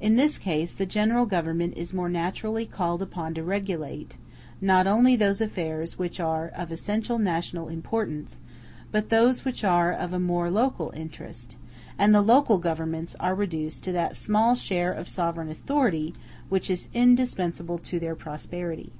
In this case the general Government is more naturally called upon to regulate, not only those affairs which are of essential national importance, but those which are of a more local interest; and the local governments are reduced to that small share of sovereign authority which is indispensable to their prosperity.